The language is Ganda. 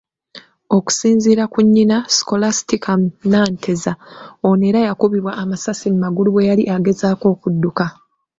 Okusinziira ku nnyina, Scholastica Nanteza, ono era yakubibwa amasasi mu magulu bwe yali agezaako okudduka.